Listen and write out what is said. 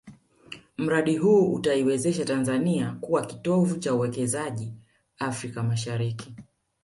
Mradi huu utaiwezesha Tanzania kuwa kitovu cha uwekezaji Afrika Mashariki